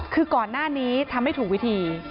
คือก่อนหน้านี้ทำให้ถูกวิธี